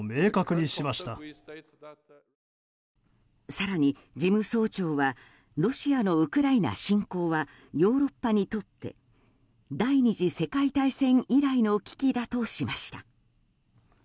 更に事務総長はロシアのウクライナ侵攻はヨーロッパにとって第２次世界大戦以来の危機だとしました。